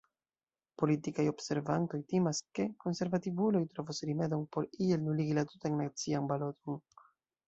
Politikaj observantoj timas, ke konservativuloj trovos rimedon por iel nuligi la tutan nacian baloton.